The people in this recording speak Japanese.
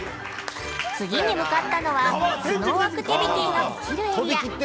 ◆次に向かったのは、スノーアクティビティができるエリア。